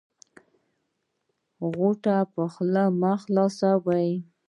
غوټه په خوله مه خلاصوی